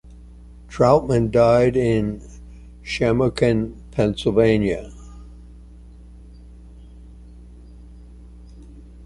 Troutman died in Shamokin, Pennsylvania.